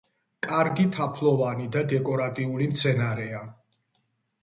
კარგი თაფლოვანი და დეკორატიული მცენარეა.